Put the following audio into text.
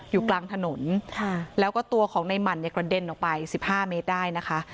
อยู่กลางถนนแล้วก็ตัวของในหมั่นเนี่ยกระเด็นออกไป๑๕เมตรได้นะคะ